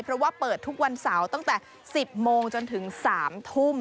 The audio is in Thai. เพราะว่าเปิดทุกวันเสาร์ตั้งแต่๑๐โมงจนถึง๓ทุ่ม